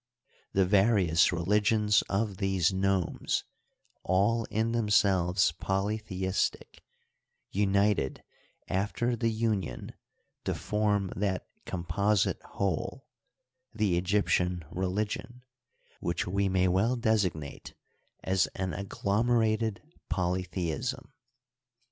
The various religions of these nomes, all in themselves polytheistic, united after the union to form that composite whole — the Egyptian religion — Digitized by VjOOQ IC INTRODUCTORY. 25 which we may well designate as an agglomerated poh theism.